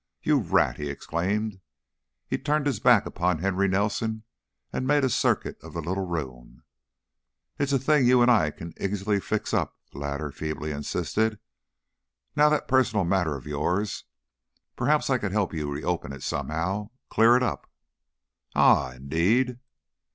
"You rat!" he exclaimed. He turned his back upon Henry Nelson and made a circuit of the little room. "It's a thing you and I can easily fix up," the latter feebly insisted. "Now that personal matter of yours Perhaps I could help you reopen it somehow, clear it up." "Ah! Indeed!"